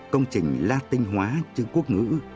công trình latin hóa chữ quốc ngữ